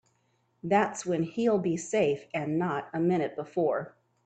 That's when he'll be safe and not a minute before.